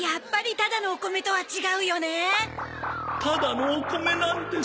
ただのお米なんです